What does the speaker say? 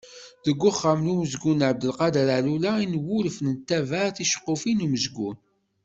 Deg Uxxam n umezgun Ɛebdelkader Allula i nwulef nettabaɛ ticeqqufin n umezgun.